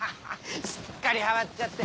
すっかりハマっちゃって。